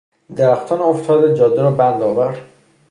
درختان افتاده جاده را بند آورد.